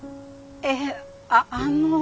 えああの。